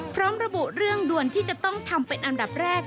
พร้อมระบุเรื่องด่วนที่จะต้องทำเป็นอันดับแรก